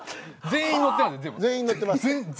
全員載ってます。